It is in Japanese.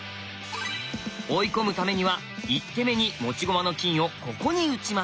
追い込むためには１手目に持ち駒の金をここに打ちます。